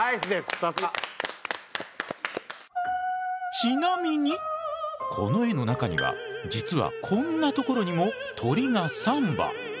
ちなみにこの絵の中には実はこんなところにも鳥が３羽。